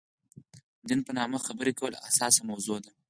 دین په نامه خبرې کول حساسه موضوع ده.